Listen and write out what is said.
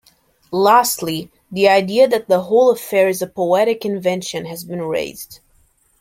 Lastly, the idea that the whole affair is a poetic invention has been raised.